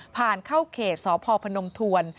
ผ่านเข้าเขตสพพนมทวน